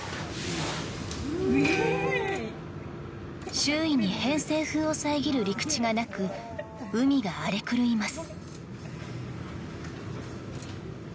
周囲に偏西風を遮る陸地がなく海が荒れ狂います。